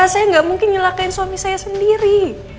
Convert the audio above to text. saya tidak mungkin nyelakai suami saya sendiri